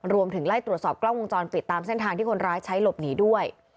รวมถึงไล่ตรวจสอบกล้องวงจรปิดตามเส้นทางที่คนร้ายใช้หลบหนีด้วย